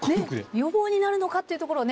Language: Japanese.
予防になるのかっていうところをね